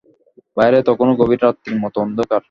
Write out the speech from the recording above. বাইরে তখনো গভীর রাত্রির মতো অন্ধকার।